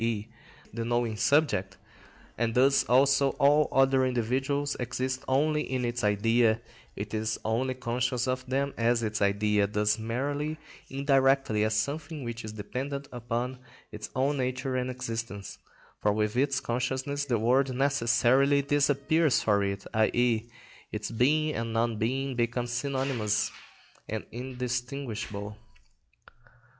e._, that the whole of Nature outside the knowing subject, and thus also all other individuals, exist only in its idea; it is only conscious of them as its idea, thus merely indirectly as something which is dependent on its own nature and existence; for with its consciousness the world necessarily disappears for it, i.e., its being and non being become synonymous and indistinguishable.